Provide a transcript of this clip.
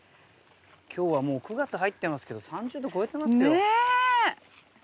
今日はもう９月入ってますけど３０度超えてますよ。